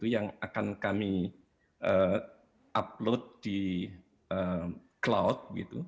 yang akan kami upload di cloud